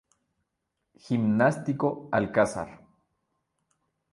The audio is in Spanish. Gimnástico Alcázar.